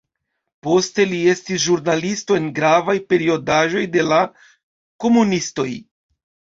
Poste li estis ĵurnalisto en gravaj periodaĵoj de la komunistoj.